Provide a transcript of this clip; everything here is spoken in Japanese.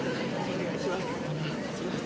お願いします。